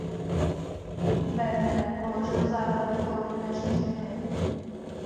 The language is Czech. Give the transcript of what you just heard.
Werner položil základy koordinační chemie.